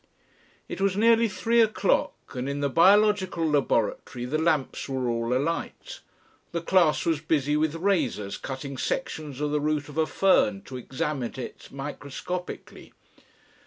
It was nearly three o'clock, and in the Biological Laboratory the lamps were all alight. The class was busy with razors cutting sections of the root of a fern to examine it microscopically.